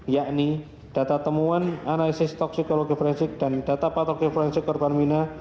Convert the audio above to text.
yakni data temuan analisis toksikologi forensik dan data foliye